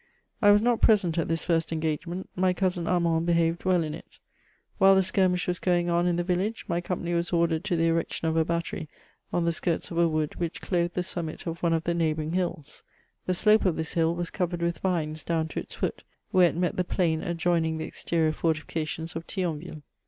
I was not present at this first engagement ; my cousin Armand hehaved well in it. While the skirmish was going on in the village, my company was ordered to the erection of a hattezy on the skurts of a wood which clothed the summit of one of the neighhouiing hills ; the slope of this hill was covered with vines down to its foot, where it met the plain adjoining the exterior fortifications of Thionville.